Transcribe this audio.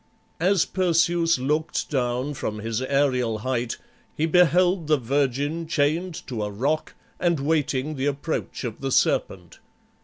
As Perseus looked down from his aerial height he beheld the virgin chained to a rock, and waiting the approach of the serpent.